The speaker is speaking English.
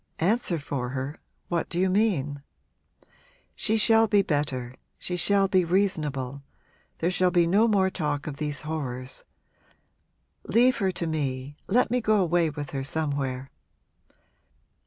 'Answer for her what do you mean?' 'She shall be better she shall be reasonable there shall be no more talk of these horrors. Leave her to me let me go away with her somewhere.'